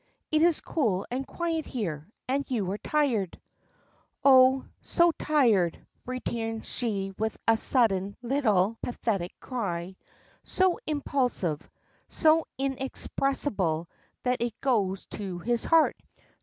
It is cool and quiet here, and you are tired." "Oh, so tired," returns she with a little sudden pathetic cry, so impulsive, so inexpressible that it goes to his heart.